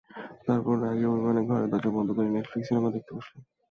তারপর রাগে, অভিমানে ঘরের দরজা বন্ধ করে নেটফ্লিক্সে সিনেমা দেখতে বসল।